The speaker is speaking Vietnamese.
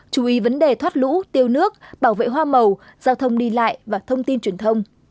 chú ý vấn đề thoát lũ tiêu nước bảo vệ hoa màu giao thông đi lại và thông tin truyền thông